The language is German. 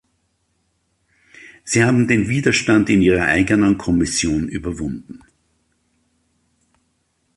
Sie haben den Widerstand in ihrer eigenen Kommission überwunden.